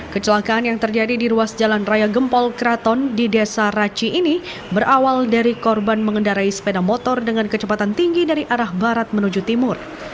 kecelakaan yang terjadi di ruas jalan raya gempol kraton di desa raci ini berawal dari korban mengendarai sepeda motor dengan kecepatan tinggi dari arah barat menuju timur